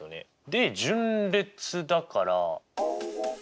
で順列だから。